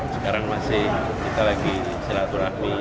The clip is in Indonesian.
sekarang masih kita lagi silaturahmi